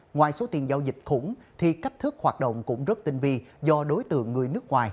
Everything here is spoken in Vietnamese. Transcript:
ngoài số tiền giao dịch khủng thì cách thức hoạt động cũng rất tinh vi do đối tượng người nước ngoài